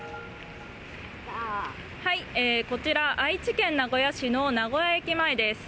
こちら、愛知県名古屋市の名古屋駅前です。